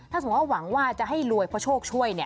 ถ้าสมมุติว่าหวังว่าจะให้รวยเพราะโชคช่วย